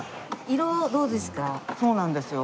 色どうですか？